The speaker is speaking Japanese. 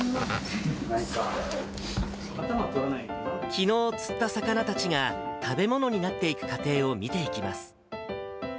きのう釣った魚たちが食べ物になっていく過程を見ていきます。